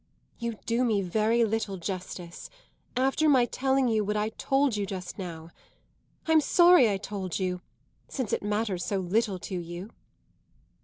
"You do me very little justice after my telling you what I told you just now. I'm sorry I told you since it matters so little to you."